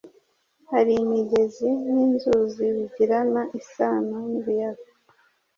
Hari imigezi n’inzuzi bigirana isano n’ibiyaga